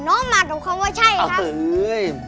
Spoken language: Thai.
น้องมากับคำว่าใช่นะครับ